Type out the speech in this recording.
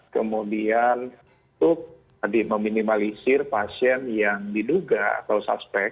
kemudian untuk tadi meminimalisir pasien yang diduga atau suspek